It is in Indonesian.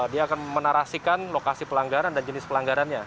dia akan menarasikan lokasi pelanggaran dan jenis pelanggarannya